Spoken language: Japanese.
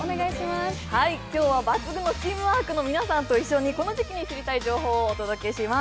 今日は抜群のチームワークの皆さんと一緒に、この時期に知りたい情報をお届けします。